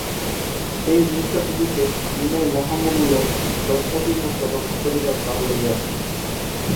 এই নিদ্রাটুকুকে বিনয় মহামূল্য রত্নটির মতো রক্ষা করিবার ভার লইয়াছে।